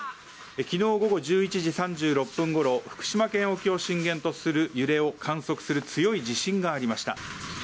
昨日午後１１時３６分頃、福島県沖を震源とする揺れを観測する強い地震がありました。